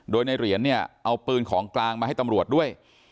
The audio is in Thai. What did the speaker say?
โดยในเหรียญเนี่ยเอาปืนของกลางมาให้ตำรวจด้วย